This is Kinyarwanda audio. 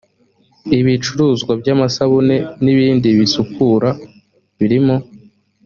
ibicuruzwa by amasabune n ibindi bisukura birimo